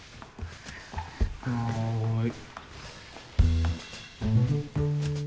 はい。